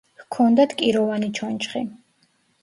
ჰქონდათ კიროვანი ჩონჩხი.